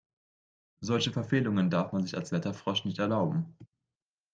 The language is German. Solche Verfehlungen darf man sich als Wetterfrosch nicht erlauben.